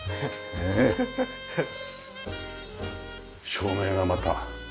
照明がまた。